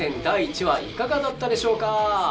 第１話いかがだったでしょうか？